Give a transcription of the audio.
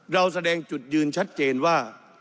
เราแสดงจุดยืนชัดเจนว่า